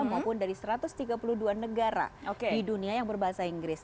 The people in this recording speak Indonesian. maupun dari satu ratus tiga puluh dua negara di dunia yang berbahasa inggris